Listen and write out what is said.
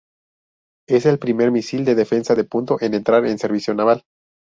Es el primer misil de defensa de punto en entrar en servicio naval.